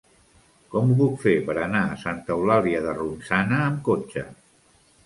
Com ho puc fer per anar a Santa Eulàlia de Ronçana amb cotxe?